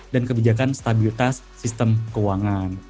dan kebijakan stabilitas sistem keuangan